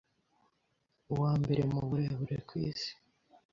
wa mbere mu burebure ku isi,